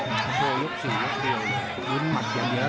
ลบสูงแล้วดึงมัดอย่างเยอะ